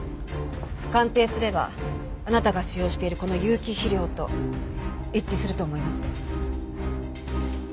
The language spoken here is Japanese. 鑑定すればあなたが使用しているこの有機肥料と一致すると思いますよ。